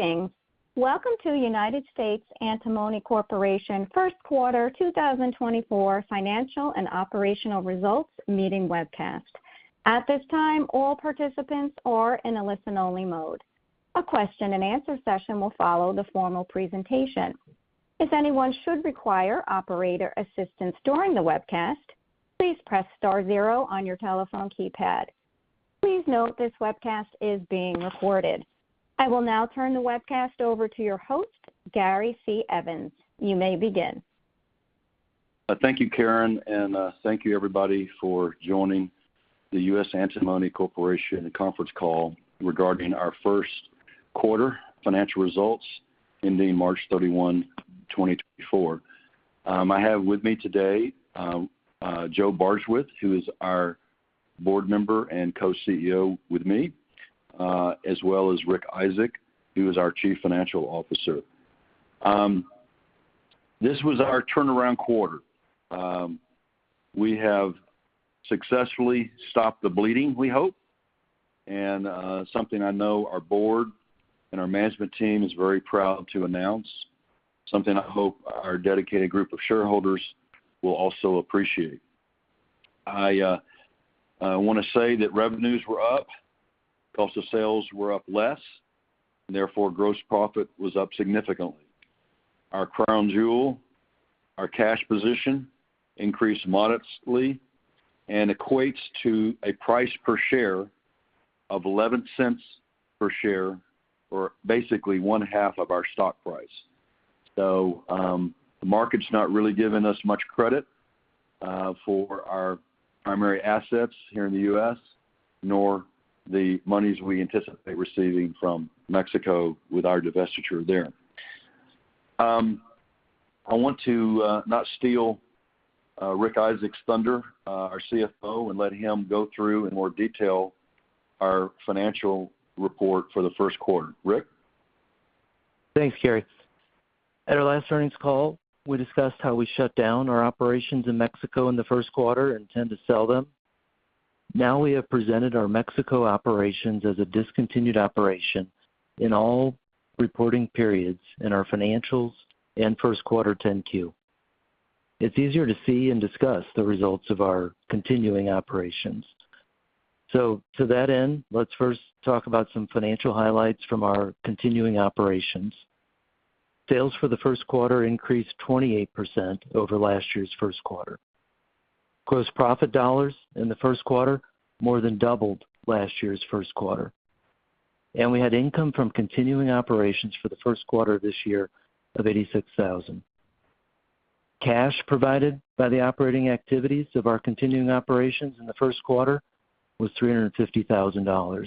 Greetings. Welcome to United States Antimony Corporation First Quarter 2024 Financial and Operational Results Meeting Webcast. At this time, all participants are in a listen-only mode. A question-and-answer session will follow the formal presentation. If anyone should require operator assistance during the webcast, please press star zero on your telephone keypad. Please note this webcast is being recorded. I will now turn the webcast over to your host, Gary C. Evans. You may begin. Thank you, Karen, and thank you everybody for joining the US Antimony Corporation conference call regarding our first quarter financial results ending March 31, 2024. I have with me today Joe Bardswich, who is our board member and co-CEO with me, as well as Rick Isaak, who is our Chief Financial Officer. This was our turnaround quarter. We have successfully stopped the bleeding, we hope, and something I know our board and our management team is very proud to announce, something I hope our dedicated group of shareholders will also appreciate. I want to say that revenues were up, cost of sales were up less, and therefore, gross profit was up significantly. Our crown jewel, our cash position, increased modestly and equates to a price per share of $0.11 per share, or basically one half of our stock price. So, the market's not really giving us much credit, for our primary assets here in the U.S., nor the monies we anticipate receiving from Mexico with our divestiture there. I want to, not steal, Rick Isaak's thunder, our CFO, and let him go through in more detail our financial report for the first quarter. Rick? Thanks, Gary. At our last earnings call, we discussed how we shut down our operations in Mexico in the first quarter and intend to sell them. Now, we have presented our Mexico operations as a discontinued operation in all reporting periods in our financials and first quarter 10-Q. It's easier to see and discuss the results of our continuing operations. So to that end, let's first talk about some financial highlights from our continuing operations. Sales for the first quarter increased 28% over last year's first quarter. Gross profit dollars in the first quarter more than doubled last year's first quarter, and we had income from continuing operations for the first quarter of this year of $86,000. Cash provided by the operating activities of our continuing operations in the first quarter was $350,000,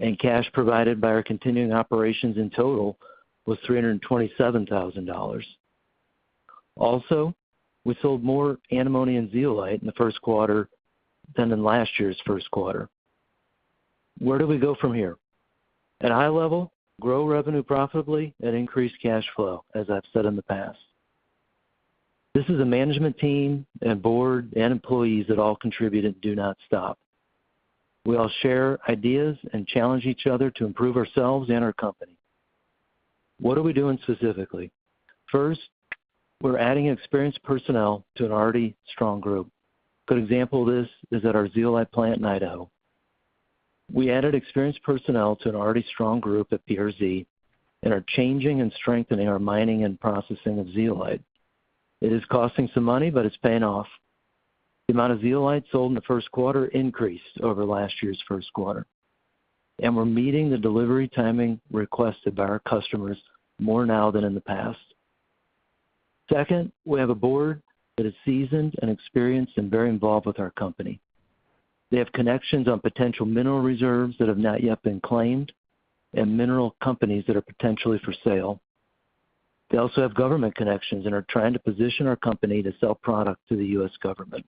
and cash provided by our continuing operations in total was $327,000. Also, we sold more antimony and zeolite in the first quarter than in last year's first quarter. Where do we go from here? At high level, grow revenue profitably and increase cash flow, as I've said in the past. This is a management team and board and employees that all contribute and do not stop. We all share ideas and challenge each other to improve ourselves and our company. What are we doing specifically? First, we're adding experienced personnel to an already strong group. Good example of this is at our zeolite plant in Idaho. We added experienced personnel to an already strong group at BRZ and are changing and strengthening our mining and processing of zeolite. It is costing some money, but it's paying off. The amount of zeolite sold in the first quarter increased over last year's first quarter, and we're meeting the delivery timing requested by our customers more now than in the past. Second, we have a board that is seasoned and experienced and very involved with our company. They have connections on potential mineral reserves that have not yet been claimed and mineral companies that are potentially for sale. They also have government connections and are trying to position our company to sell product to the U.S. government.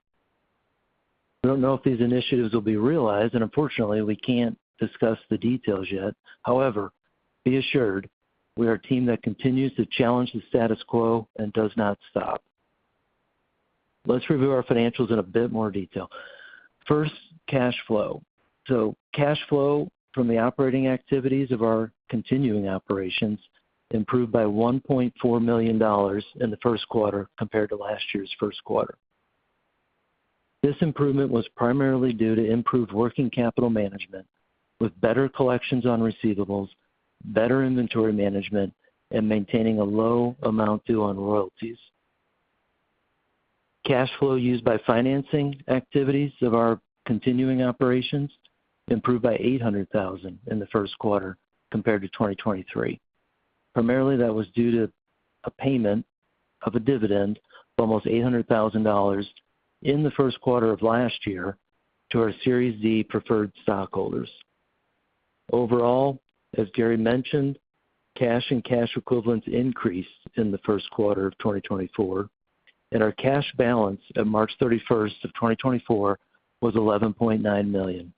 We don't know if these initiatives will be realized, and unfortunately, we can't discuss the details yet. However, be assured we are a team that continues to challenge the status quo and does not stop. Let's review our financials in a bit more detail. First, cash flow. So cash flow from the operating activities of our continuing operations improved by $1.4 million in the first quarter compared to last year's first quarter. This improvement was primarily due to improved working capital management, with better collections on receivables, better inventory management, and maintaining a low amount due on royalties. Cash flow used by financing activities of our continuing operations improved by $800,000 in the first quarter compared to 2023. Primarily, that was due to a payment of a dividend of almost $800,000 in the first quarter of last year to our Series D preferred stockholders. Overall, as Gary mentioned, cash and cash equivalents increased in the first quarter of 2024, and our cash balance at March 31, 2024 was $11.9 million.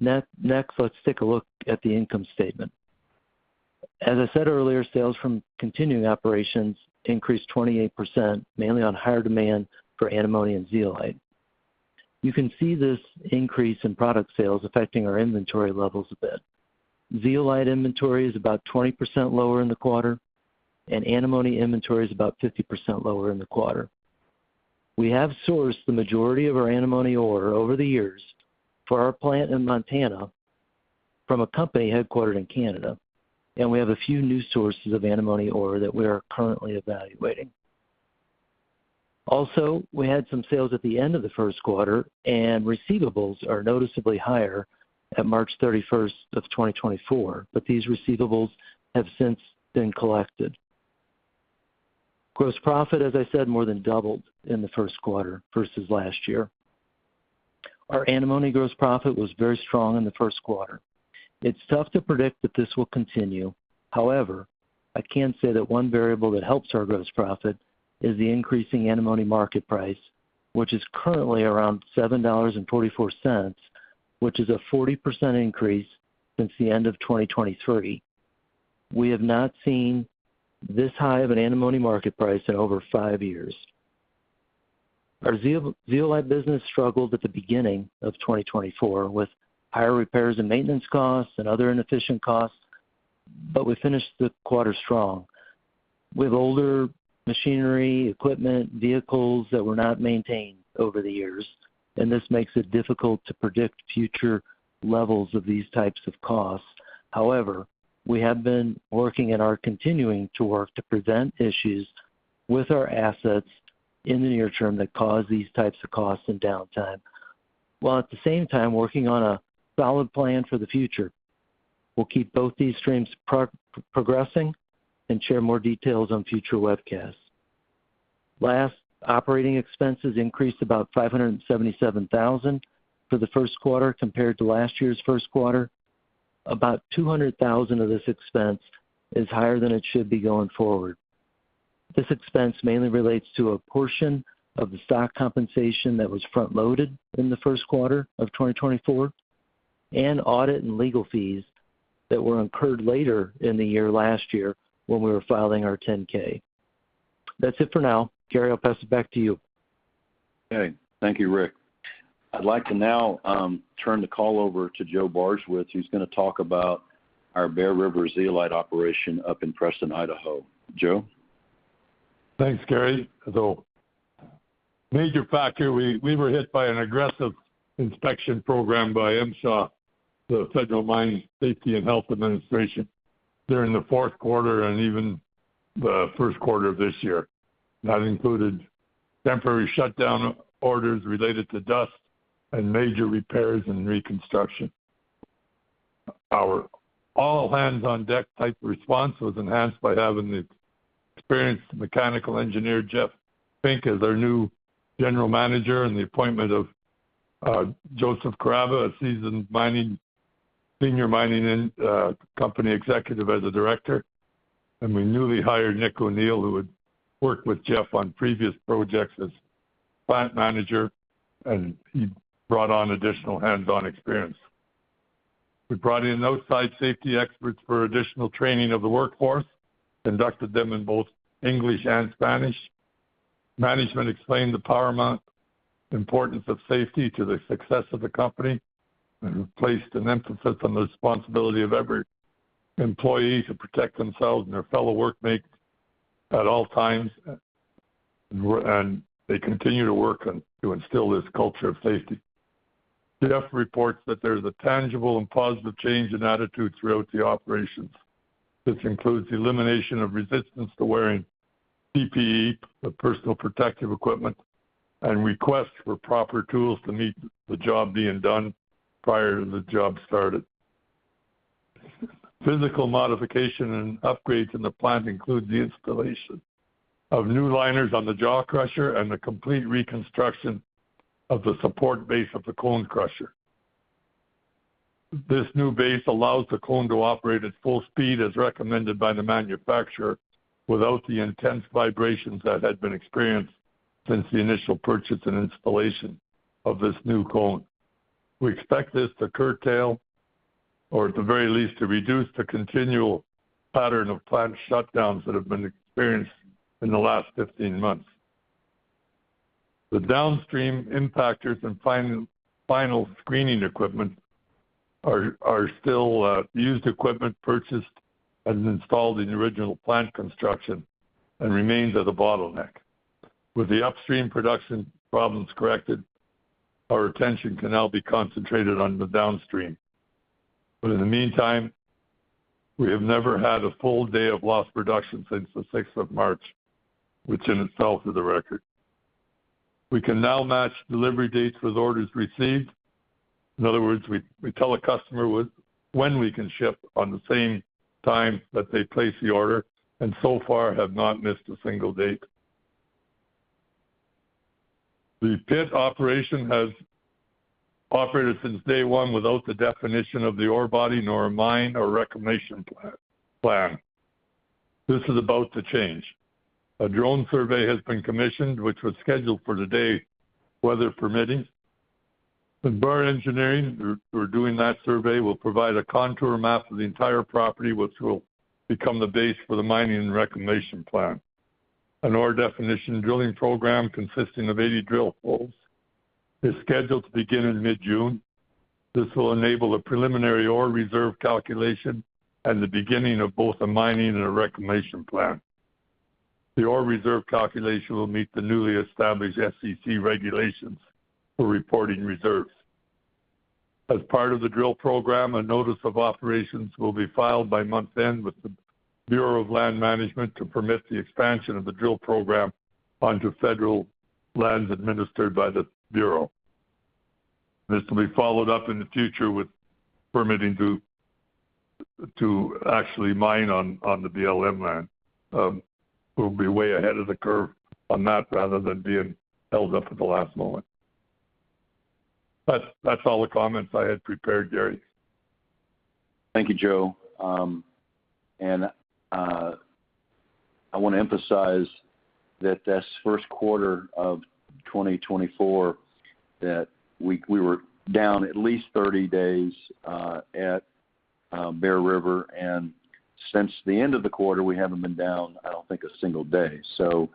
Next, let's take a look at the income statement. As I said earlier, sales from continuing operations increased 28%, mainly on higher demand for antimony and zeolite. You can see this increase in product sales affecting our inventory levels a bit. Zeolite inventory is about 20% lower in the quarter, and antimony inventory is about 50% lower in the quarter. We have sourced the majority of our antimony ore over the years for our plant in Montana from a company headquartered in Canada, and we have a few new sources of antimony ore that we are currently evaluating. Also, we had some sales at the end of the first quarter, and receivables are noticeably higher at March 31, 2024, but these receivables have since been collected. Gross profit, as I said, more than doubled in the first quarter versus last year. Our antimony gross profit was very strong in the first quarter. It's tough to predict that this will continue. However, I can say that one variable that helps our gross profit is the increasing antimony market price, which is currently around $7.44, which is a 40% increase since the end of 2023. We have not seen this high of an antimony market price in over five years. Our zeolite business struggled at the beginning of 2024, with higher repairs and maintenance costs and other inefficient costs, but we finished the quarter strong. We have older machinery, equipment, vehicles that were not maintained over the years, and this makes it difficult to predict future levels of these types of costs. However, we have been working and are continuing to work to prevent issues with our assets in the near term that cause these types of costs and downtime, while at the same time working on a solid plan for the future. We'll keep both these streams progressing and share more details on future webcasts. Last, operating expenses increased about $577,000 for the first quarter compared to last year's first quarter. About $200,000 of this expense is higher than it should be going forward. This expense mainly relates to a portion of the stock compensation that was front-loaded in the first quarter of 2024, and audit and legal fees that were incurred later in the year last year when we were filing our 10-K. That's it for now. Gary, I'll pass it back to you. Okay, thank you, Rick. I'd like to now turn the call over to Joe Bardswich, who's going to talk about our Bear River Zeolite operation up in Preston, Idaho. Joe? Thanks, Gary. So major factor, we were hit by an aggressive inspection program by MSHA, the Federal Mine Safety and Health Administration, during the fourth quarter and even the first quarter of this year. That included temporary shutdown orders related to dust and major repairs and reconstruction. Our all-hands-on-deck type response was enhanced by having the experienced mechanical engineer, Jeff Fink, as our new general manager, and the appointment of Joseph Carrabba, a seasoned mining senior company executive as a director. And we newly hired Nick O'Neill, who had worked with Jeff on previous projects, as plant manager, and he brought on additional hands-on experience. We brought in outside safety experts for additional training of the workforce, conducted them in both English and Spanish. Management explained the paramount importance of safety to the success of the company and placed an emphasis on the responsibility of every employee to protect themselves and their fellow workmates at all times, and they continue to work on to instill this culture of safety. Jeff reports that there's a tangible and positive change in attitudes throughout the operations. This includes the elimination of resistance to wearing PPE, or personal protective equipment, and requests for proper tools to meet the job being done prior to the job started. Physical modification and upgrades in the plant include the installation of new liners on the jaw crusher and the complete reconstruction of the support base of the cone crusher. This new base allows the cone to operate at full speed, as recommended by the manufacturer, without the intense vibrations that had been experienced since the initial purchase and installation of this new cone. We expect this to curtail, or at the very least, to reduce the continual pattern of plant shutdowns that have been experienced in the last 15 months. The downstream impactors and final screening equipment are still used equipment purchased and installed in the original plant construction and remains at a bottleneck. With the upstream production problems corrected, our attention can now be concentrated on the downstream. But in the meantime, we have never had a full day of lost production since the sixth of March, which in itself is a record. We can now match delivery dates with orders received. In other words, we tell a customer with when we can ship on the same time that they place the order, and so far have not missed a single date. The pit operation has operated since day one without the definition of the ore body nor a mine or reclamation plan. This is about to change. A drone survey has been commissioned, which was scheduled for today, weather permitting. MacBard Engineering are doing that survey, will provide a contour map of the entire property, which will become the base for the mining and reclamation plan. An ore definition drilling program consisting of 80 drill holes, is scheduled to begin in mid-June. This will enable a preliminary ore reserve calculation and the beginning of both a mining and a reclamation plan. The ore reserve calculation will meet the newly established SEC regulations for reporting reserves. As part of the drill program, a notice of operations will be filed by month-end with the Bureau of Land Management to permit the expansion of the drill program onto federal lands administered by the Bureau. This will be followed up in the future with permitting to actually mine on the BLM land. We'll be way ahead of the curve on that rather than being held up at the last moment. That's all the comments I had prepared, Gary. Thank you, Joe. And I want to emphasize that this first quarter of 2024, that we were down at least 30 days at Bear River, and since the end of the quarter, we haven't been down, I don't think, a single day. So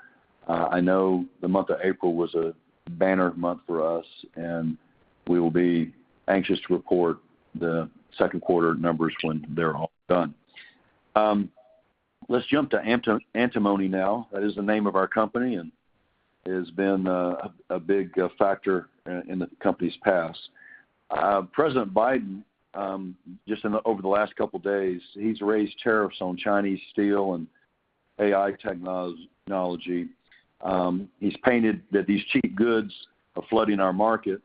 I know the month of April was a banner month for us, and we will be anxious to report the second quarter numbers when they're all done. Let's jump to antimony now. That is the name of our company and has been a big factor in the company's past. President Biden just over the last couple days has raised tariffs on Chinese steel and AI technology. He's painted that these cheap goods are flooding our market,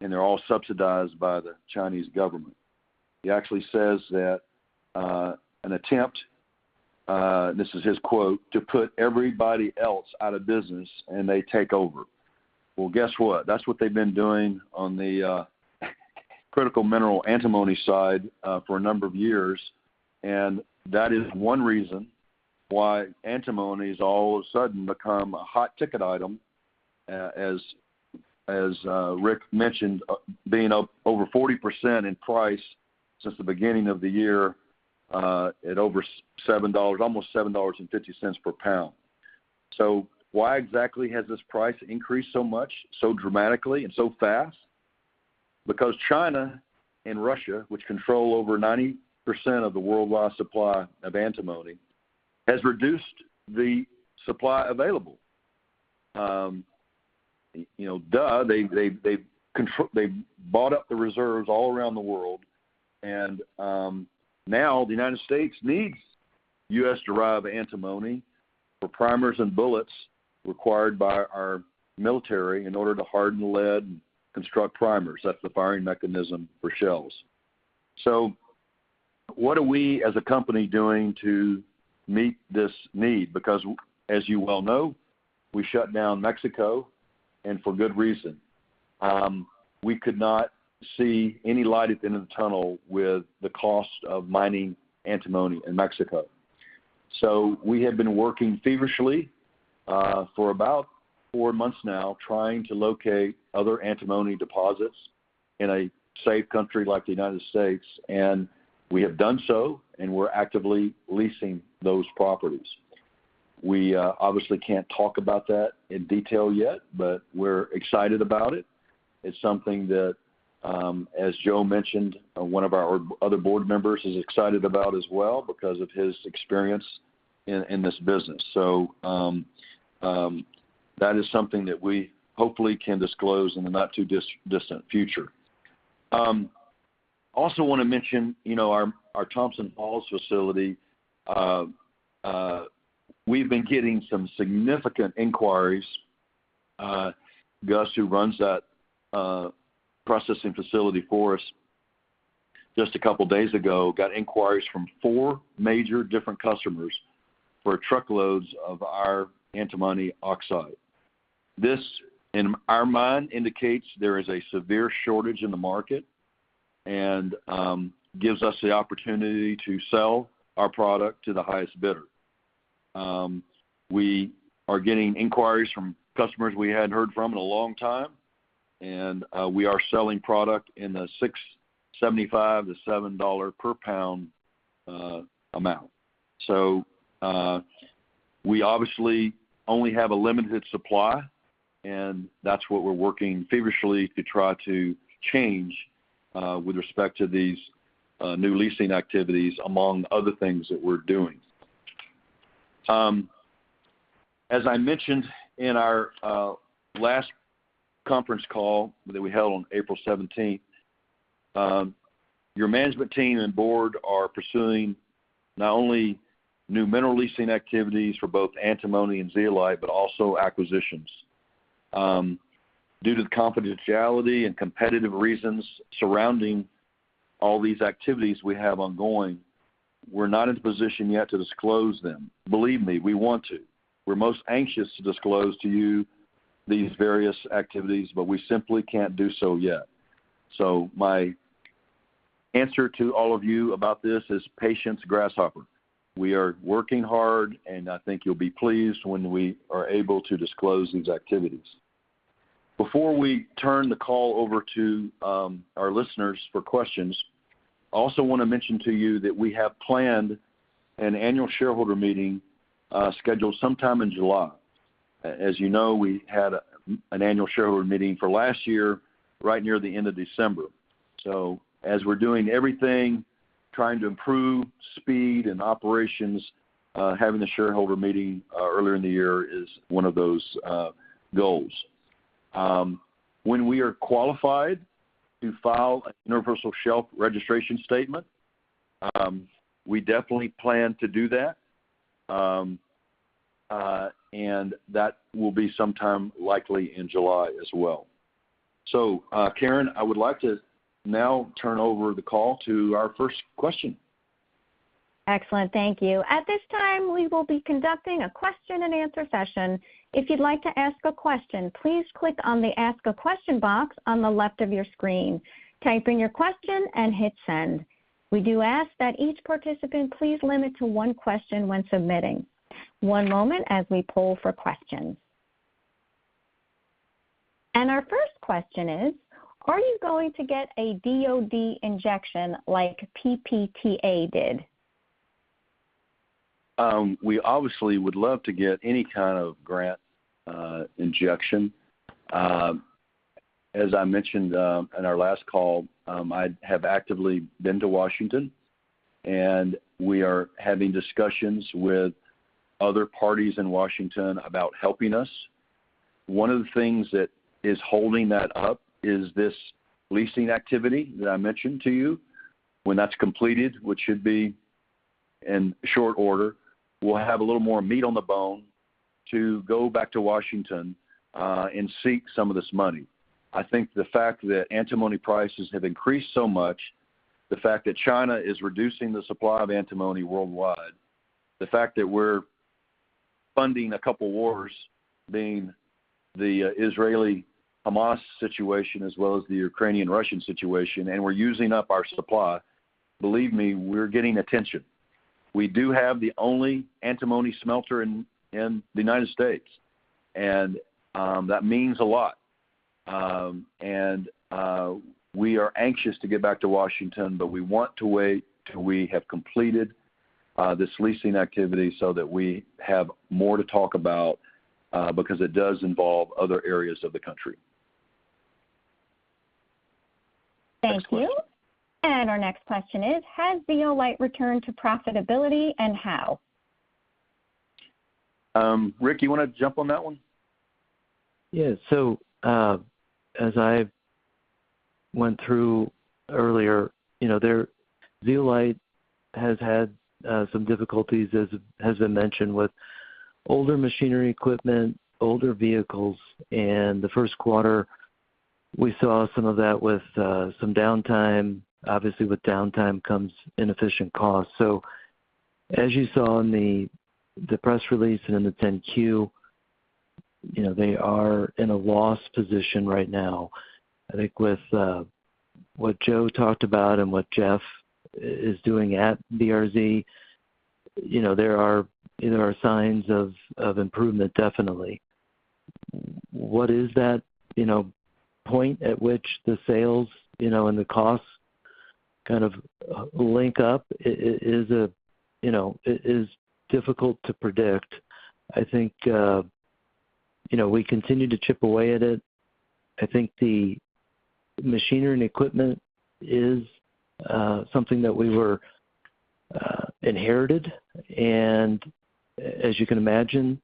and they're all subsidized by the Chinese government. He actually says that, an attempt, this is his quote, "To put everybody else out of business, and they take over." Well, guess what? That's what they've been doing on the, critical mineral antimony side, for a number of years, and that is one reason why antimony has all of a sudden become a hot ticket item, as, as, Rick mentioned, being up over 40% in price since the beginning of the year, at over $7, almost $7.50 per pound. So why exactly has this price increased so much, so dramatically and so fast? Because China and Russia, which control over 90% of the worldwide supply of antimony, has reduced the supply available. You know, they've bought up the reserves all around the world, and now the United States needs U.S.-derived antimony for primers and bullets required by our military in order to harden lead and construct primers. That's the firing mechanism for shells. So what are we, as a company, doing to meet this need? Because, as you well know, we shut down Mexico, and for good reason. We could not see any light at the end of the tunnel with the cost of mining antimony in Mexico. So we have been working feverishly for about four months now, trying to locate other antimony deposits in a safe country like the United States, and we have done so, and we're actively leasing those properties. We obviously can't talk about that in detail yet, but we're excited about it. It's something that, as Joe mentioned, one of our other board members is excited about as well because of his experience in this business. So, that is something that we hopefully can disclose in the not-too-distant future. Also want to mention, you know, our Thompson Falls facility. We've been getting some significant inquiries. Gus, who runs that, processing facility for us, just a couple days ago, got inquiries from four major different customers for truckloads of our antimony oxide. This, in our mind, indicates there is a severe shortage in the market and, gives us the opportunity to sell our product to the highest bidder. We are getting inquiries from customers we hadn't heard from in a long time, and, we are selling product in the $6.75-$7 per pound amount. So, we obviously only have a limited supply, and that's what we're working feverishly to try to change, with respect to these, new leasing activities, among other things that we're doing. As I mentioned in our last conference call that we held on April seventeenth, your management team and board are pursuing not only new mineral leasing activities for both antimony and zeolite, but also acquisitions. Due to the confidentiality and competitive reasons surrounding all these activities we have ongoing, we're not in a position yet to disclose them. Believe me, we want to. We're most anxious to disclose to you these various activities, but we simply can't do so yet. So my answer to all of you about this is, "Patience, grasshopper." We are working hard, and I think you'll be pleased when we are able to disclose these activities... Before we turn the call over to our listeners for questions, I also wanna mention to you that we have planned an annual shareholder meeting scheduled sometime in July. As you know, we had an annual shareholder meeting for last year right near the end of December. So as we're doing everything, trying to improve speed and operations, having the shareholder meeting earlier in the year is one of those goals. When we are qualified to file a universal shelf registration statement, we definitely plan to do that. And that will be sometime likely in July as well. So, Karen, I would like to now turn over the call to our first question. Excellent, thank you. At this time, we will be conducting a question-and-answer session. If you'd like to ask a question, please click on the Ask a Question box on the left of your screen, type in your question, and hit Send. We do ask that each participant please limit to one question when submitting. One moment as we poll for questions. Our first question is: Are you going to get a DoD injection like PPTA did? We obviously would love to get any kind of grant, injection. As I mentioned, in our last call, I have actively been to Washington, and we are having discussions with other parties in Washington about helping us. One of the things that is holding that up is this leasing activity that I mentioned to you. When that's completed, which should be in short order, we'll have a little more meat on the bone to go back to Washington, and seek some of this money. I think the fact that antimony prices have increased so much, the fact that China is reducing the supply of antimony worldwide, the fact that we're funding a couple of wars, being the, Israeli-Hamas situation, as well as the Ukrainian-Russian situation, and we're using up our supply, believe me, we're getting attention. We do have the only antimony smelter in the United States, and that means a lot. We are anxious to get back to Washington, but we want to wait till we have completed this leasing activity so that we have more to talk about, because it does involve other areas of the country. Thank you. Next question. Our next question is: Has Zeolite returned to profitability, and how? Rick, you wanna jump on that one? Yes. So, as I went through earlier, you know, there Zeolite has had some difficulties, as has been mentioned, with older machinery equipment, older vehicles, and the first quarter, we saw some of that with some downtime. Obviously, with downtime comes inefficient costs. So as you saw in the press release and in the 10-Q, you know, they are in a loss position right now. I think with what Joe talked about and what Jeff is doing at BRZ, you know, there are signs of improvement, definitely. What is that point at which the sales and the costs kind of link up is, you know, it is difficult to predict. I think, you know, we continue to chip away at it. I think the machinery and equipment is something that we inherited, and as you can imagine,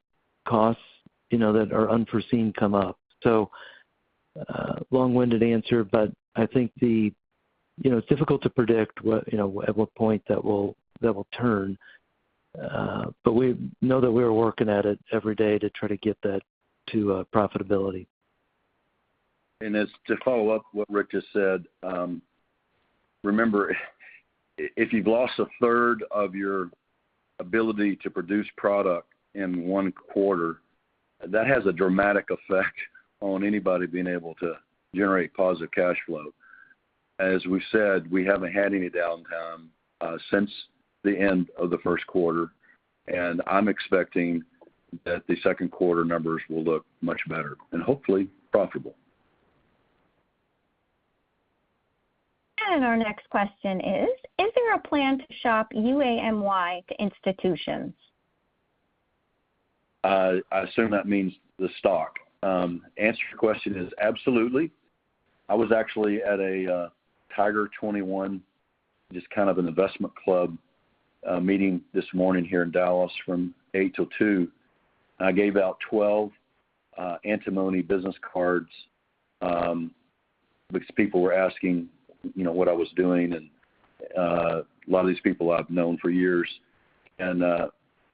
costs, you know, that are unforeseen come up. So, long-winded answer, but I think the... You know, it's difficult to predict what, you know, at what point that will, that will turn, but we know that we are working at it every day to try to get that to profitability. As to follow up what Rick just said, remember, if you've lost a third of your ability to produce product in one quarter, that has a dramatic effect on anybody being able to generate positive cash flow. As we've said, we haven't had any downtime since the end of the first quarter, and I'm expecting that the second quarter numbers will look much better and hopefully profitable. Our next question is: Is there a plan to shop UAMY to institutions? I assume that means the stock. Answer to your question is absolutely. I was actually at a Tiger 21, just kind of an investment club, meeting this morning here in Dallas from 8:00 A.M. till 2:00 P.M. I gave out 12 antimony business cards, because people were asking, you know, what I was doing, and a lot of these people I've known for years. And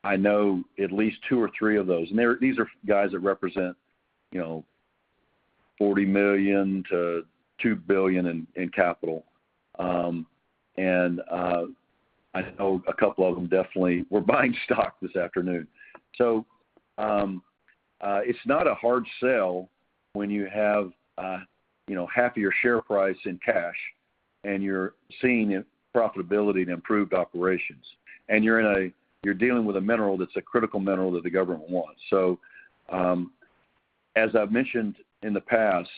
I know at least 2 or 3 of those, and they're, these are guys that represent, you know, $40 million-$2 billion in capital. And I know a couple of them definitely were buying stock this afternoon. So it's not a hard sell when you have, you know, half of your share price in cash. You're seeing profitability and improved operations, and you're in a, you're dealing with a mineral that's a critical mineral that the government wants. So, as I've mentioned in the past,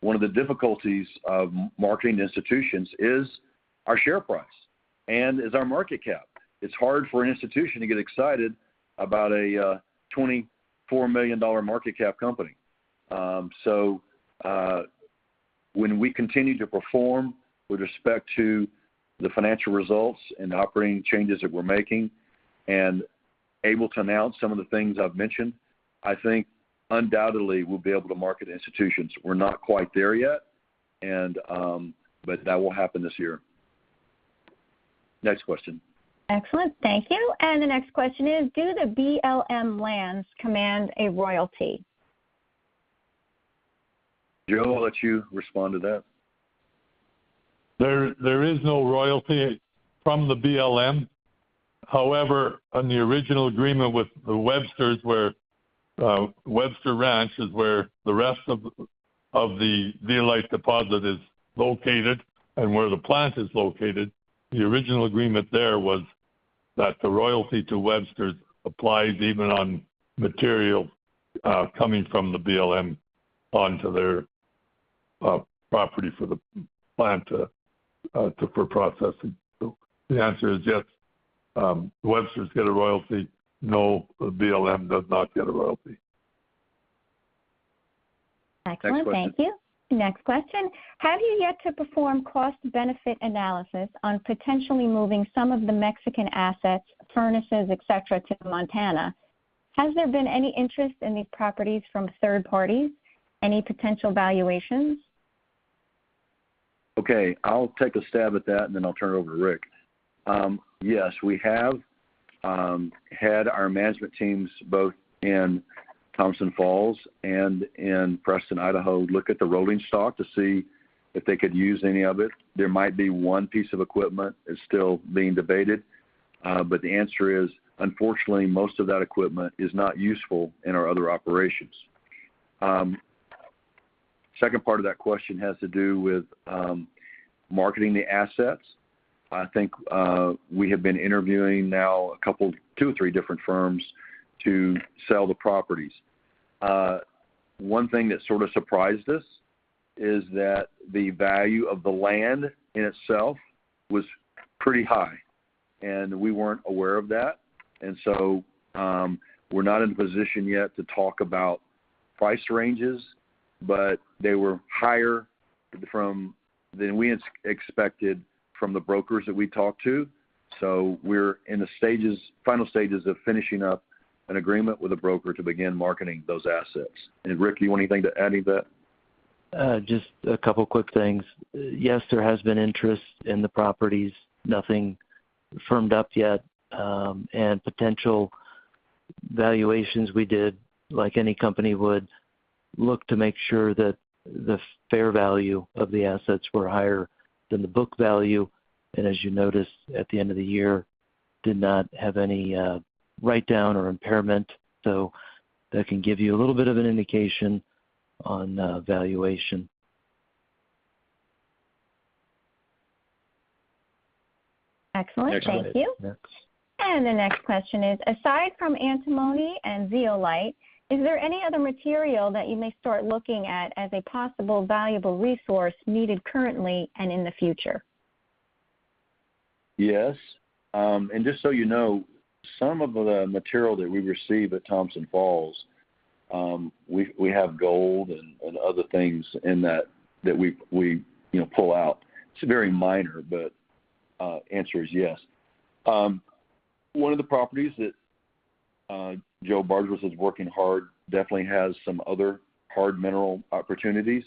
one of the difficulties of marketing to institutions is our share price and is our market cap. It's hard for an institution to get excited about a $24 million market cap company. So, when we continue to perform with respect to the financial results and the operating changes that we're making, and able to announce some of the things I've mentioned, I think undoubtedly we'll be able to market institutions. We're not quite there yet, and, but that will happen this year. Next question. Excellent. Thank you. And the next question is: Do the BLM lands command a royalty? Joe, I'll let you respond to that. There is no royalty from the BLM. However, on the original agreement with the Websters, where Webster Ranch is, where the rest of the zeolite deposit is located and where the plant is located, the original agreement there was that the royalty to Websters applies even on material coming from the BLM onto their property for the plant for processing. So the answer is yes, Websters get a royalty. No, the BLM does not get a royalty. Excellent. Next question. Thank you. Next question: Have you yet to perform cost-benefit analysis on potentially moving some of the Mexican assets, furnaces, et cetera, to Montana? Has there been any interest in these properties from third parties? Any potential valuations? Okay, I'll take a stab at that, and then I'll turn it over to Rick. Yes, we have had our management teams, both in Thompson Falls and in Preston, Idaho, look at the rolling stock to see if they could use any of it. There might be one piece of equipment that's still being debated, but the answer is, unfortunately, most of that equipment is not useful in our other operations. Second part of that question has to do with marketing the assets. I think we have been interviewing now a couple, two or three different firms to sell the properties. One thing that sort of surprised us is that the value of the land in itself was pretty high, and we weren't aware of that. We're not in a position yet to talk about price ranges, but they were higher than we expected from the brokers that we talked to. So we're in the final stages of finishing up an agreement with a broker to begin marketing those assets. And Rick, you want anything to add to that? Just a couple quick things. Yes, there has been interest in the properties, nothing firmed up yet. And potential valuations we did, like any company would, look to make sure that the fair value of the assets were higher than the book value. And as you noticed, at the end of the year, did not have any, write-down or impairment. So that can give you a little bit of an indication on, valuation. Excellent. Next one. Thank you. Next. The next question is: Aside from antimony and zeolite, is there any other material that you may start looking at as a possible valuable resource needed currently and in the future? Yes. And just so you know, some of the material that we receive at Thompson Falls, we have gold and other things in that that we you know pull out. It's very minor, but answer is yes. One of the properties that Joe Bardswich is working hard, definitely has some other hard mineral opportunities.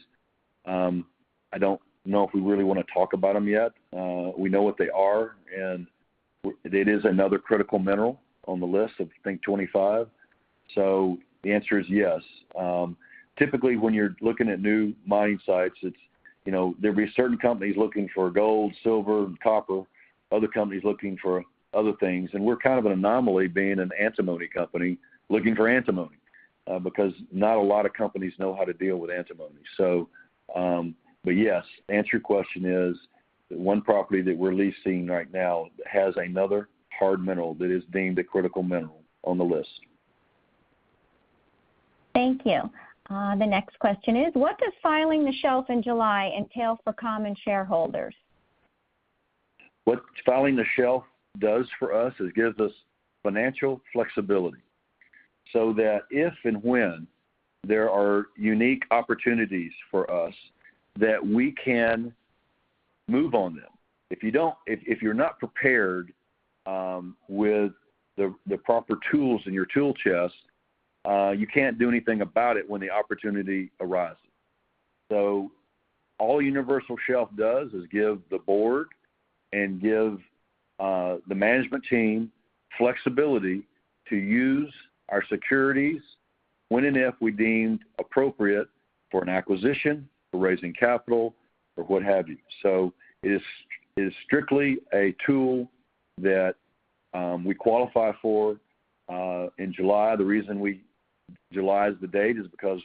I don't know if we really want to talk about them yet. We know what they are, and it is another critical mineral on the list of, I think, 25. So the answer is yes. Typically, when you're looking at new mining sites, it's you know there'd be certain companies looking for gold, silver, and copper, other companies looking for other things. We're kind of an anomaly, being an antimony company looking for antimony, because not a lot of companies know how to deal with antimony. So, but yes, the answer to your question is, the one property that we're leasing right now has another hard mineral that is deemed a critical mineral on the list. Thank you. The next question is: What does filing the shelf in July entail for common shareholders? What filing the shelf does for us is gives us financial flexibility, so that if and when there are unique opportunities for us, that we can move on them. If you're not prepared with the proper tools in your tool chest, you can't do anything about it when the opportunity arises. So all universal shelf does is give the board and give the management team flexibility to use our securities when and if we deem appropriate for an acquisition, for raising capital or what have you. So it's strictly a tool that we qualify for in July. The reason July is the date is because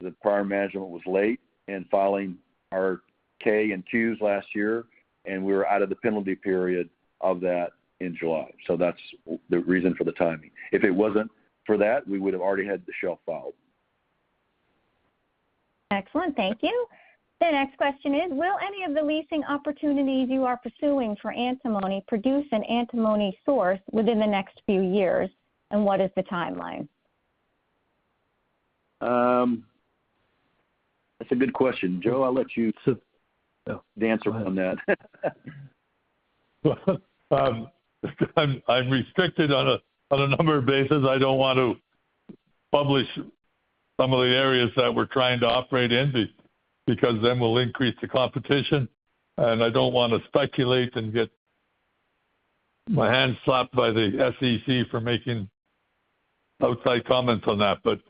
the prior management was late in filing our K and Qs last year, and we were out of the penalty period of that in July. So that's the reason for the timing. If it wasn't for that, we would have already had the shelf filed. Excellent. Thank you. The next question is: will any of the leasing opportunities you are pursuing for antimony produce an antimony source within the next few years, and what is the timeline? That's a good question, Joe. I'll let you to answer on that. I'm restricted on a number of bases. I don't want to publish some of the areas that we're trying to operate in because then we'll increase the competition, and I don't want to speculate and get my hand slapped by the SEC for making outside comments on that. But,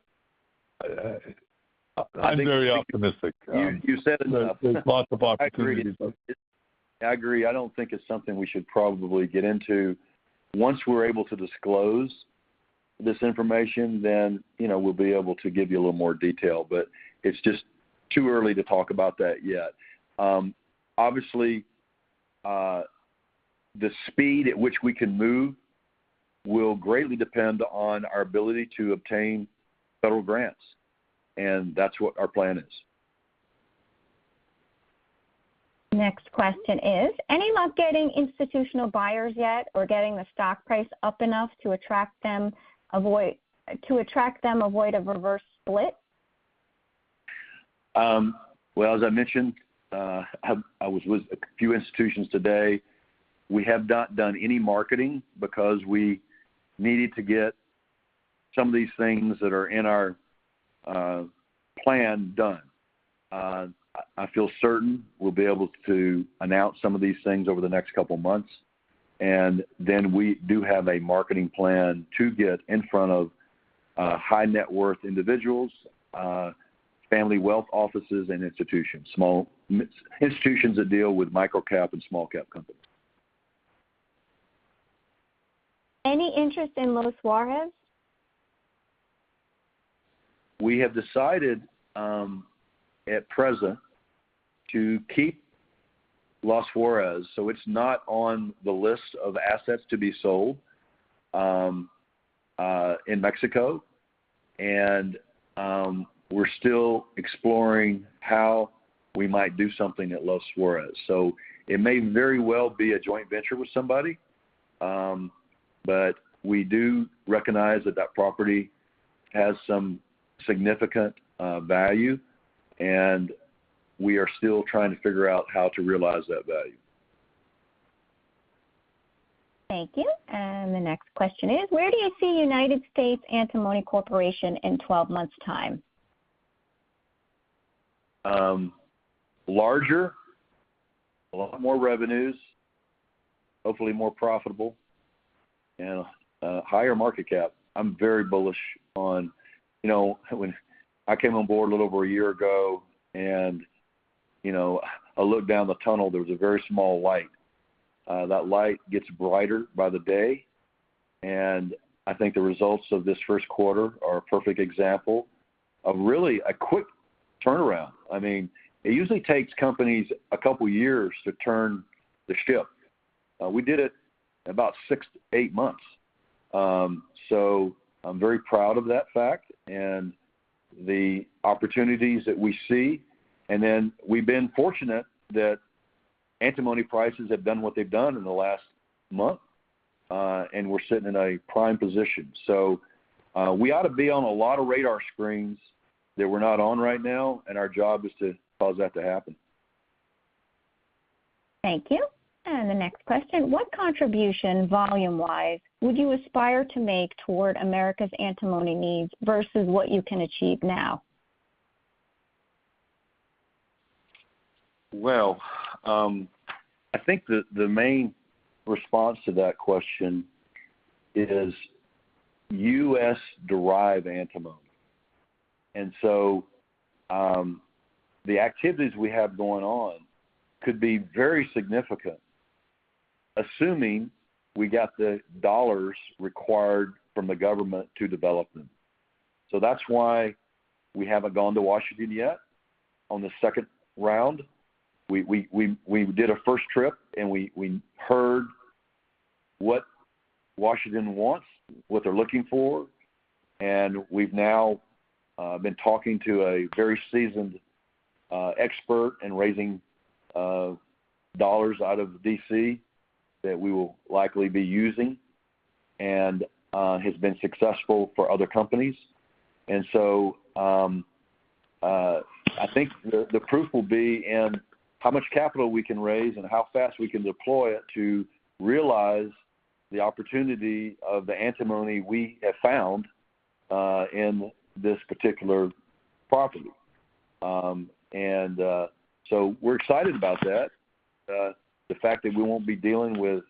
I'm very optimistic. You, you said enough. There's lots of opportunities. I agree. I don't think it's something we should probably get into. Once we're able to disclose this information, then, you know, we'll be able to give you a little more detail, but it's just too early to talk about that yet. Obviously, the speed at which we can move will greatly depend on our ability to obtain federal grants, and that's what our plan is. Next question is: Any luck getting institutional buyers yet, or getting the stock price up enough to attract them, avoid a reverse split? Well, as I mentioned, I was with a few institutions today. We have not done any marketing because we needed to get some of these things that are in our plan done. I feel certain we'll be able to announce some of these things over the next couple of months, and then we do have a marketing plan to get in front of high-net-worth individuals, family wealth offices, and small institutions that deal with micro-cap and small-cap companies. Any interest in Los Juarez? We have decided, at present, to keep Los Juarez, so it's not on the list of assets to be sold, in Mexico, and we're still exploring how we might do something at Los Juarez. So it may very well be a joint venture with somebody, but we do recognize that that property has some significant value, and we are still trying to figure out how to realize that value. Thank you. The next question is: Where do you see United States Antimony Corporation in twelve months' time? Larger, a lot more revenues, hopefully more profitable, and a higher market cap. I'm very bullish on... You know, when I came on board a little over a year ago and, you know, I looked down the tunnel, there was a very small light. That light gets brighter by the day, and I think the results of this first quarter are a perfect example of really a quick turnaround. I mean, it usually takes companies a couple of years to turn the ship. We did it in about 6-8 months. So I'm very proud of that fact and the opportunities that we see. And then we've been fortunate that Antimony prices have done what they've done in the last month, and we're sitting in a prime position. So, we ought to be on a lot of radar screens that we're not on right now, and our job is to cause that to happen. Thank you. The next question: what contribution, volume-wise, would you aspire to make toward America's antimony needs versus what you can achieve now? Well, I think the main response to that question is U.S.-derived antimony. And so, the activities we have going on could be very significant, assuming we got the dollars required from the government to develop them. So that's why we haven't gone to Washington yet on the second round. We did a first trip, and we heard what Washington wants, what they're looking for, and we've now been talking to a very seasoned expert in raising dollars out of D.C. that we will likely be using and has been successful for other companies. And so, I think the proof will be in how much capital we can raise and how fast we can deploy it to realize the opportunity of the antimony we have found in this particular property. So we're excited about that. The fact that we won't be dealing with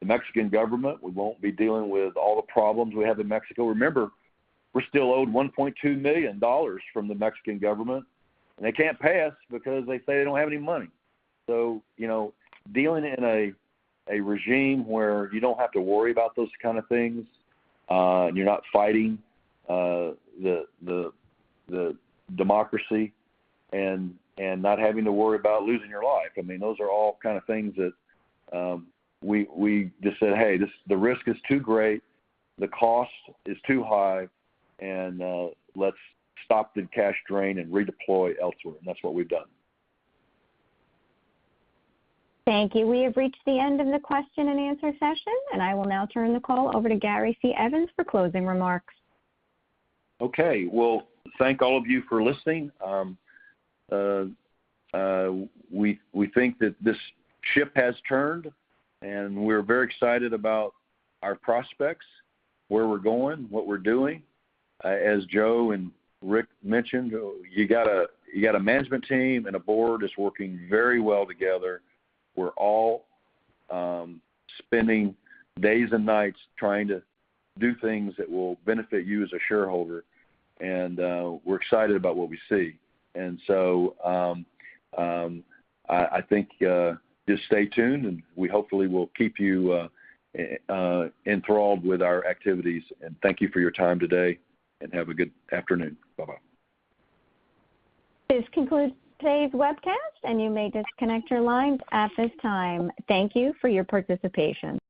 the Mexican government, we won't be dealing with all the problems we have in Mexico. Remember, we're still owed $1.2 million from the Mexican government, and they can't pay us because they say they don't have any money. So, you know, dealing in a regime where you don't have to worry about those kind of things, and you're not fighting the democracy and not having to worry about losing your life. I mean, those are all kind of things that we just said, "Hey, this, the risk is too great, the cost is too high, and let's stop the cash drain and redeploy elsewhere." And that's what we've done. Thank you. We have reached the end of the question and answer session, and I will now turn the call over to Gary C. Evans for closing remarks. Okay. Well, thank all of you for listening. We think that this ship has turned, and we're very excited about our prospects, where we're going, what we're doing. As Joe and Rick mentioned, you got a management team and a board that's working very well together. We're all spending days and nights trying to do things that will benefit you as a shareholder, and we're excited about what we see. And so, I think, just stay tuned, and we hopefully will keep you enthralled with our activities. And thank you for your time today, and have a good afternoon. Bye-bye. This concludes today's webcast, and you may disconnect your lines at this time. Thank you for your participation.